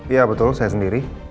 iya betul saya sendiri